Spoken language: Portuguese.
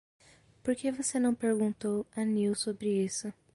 Por que você não perguntou a Neal sobre isso?